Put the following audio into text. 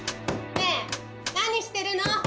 ねえ何してるの！